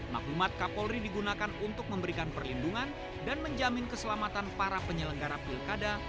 maklumat kapolri digunakan untuk memberikan perlindungan dan menjamin keselamatan para penyelenggara pilkada